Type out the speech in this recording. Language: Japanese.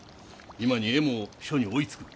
今に絵も書に追いつく。